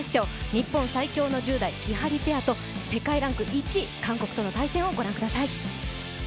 日本最強の１０代きはりペアと世界ランク１位、中国との試合をご覧ください。